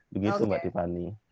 begitu mbak tipa nih